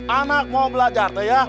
anak mau belajar tuh ya